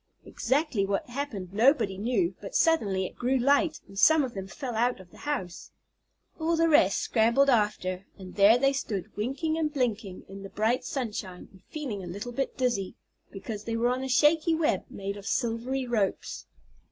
Exactly what happened nobody knew, but suddenly it grew light, and some of them fell out of the house. All the rest scrambled after, and there they stood, winking and blinking in the bright sunshine, and feeling a little bit dizzy, because they were on a shaky web made of silvery ropes.